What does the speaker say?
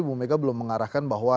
ibu meka belum mengarahkan bahwa